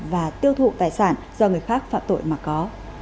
và tiêu thụ tài sản do người khác phạm tội mà có